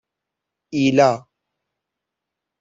ایلا